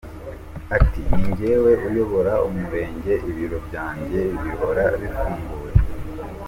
Ati “Ni njyewe uyobora umurenge, ibiro byanjye bihora bifunguye.